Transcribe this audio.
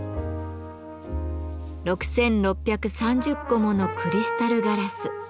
６，６３０個ものクリスタルガラス。